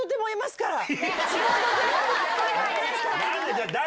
じゃあ誰？